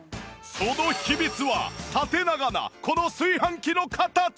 その秘密は縦長なこの炊飯器の形！